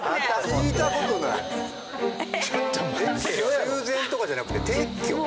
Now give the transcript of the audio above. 修繕とかじゃなくて撤去？